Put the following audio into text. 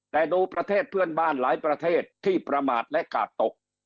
แต่ดูประเทศเพื่อนบ้านหลายประเทศที่ประมาทและกาดตก